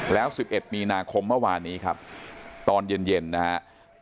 แล้ว๑๑มีนาคมเมื่อวานนี้ครับตอนเย็นนะครับ